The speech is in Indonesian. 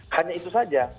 hanya itu saja